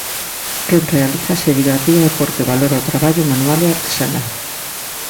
Quen realiza serigrafía é porque valora o traballo manual e artesanal.